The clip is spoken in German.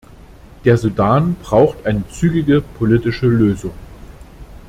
Der Sudan braucht eine zügige politische Lösung.